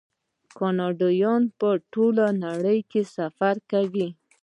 کاناډایان په ټوله نړۍ کې سفر کوي.